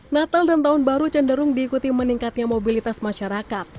natal dan tahun baru cenderung diikuti meningkatnya mobilitas masyarakat